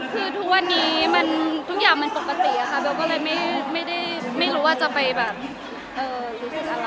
คือทุกวันนี้ทุกอย่างมันปกติอะค่ะแบลก็เลยไม่รู้ว่าจะไปแบบ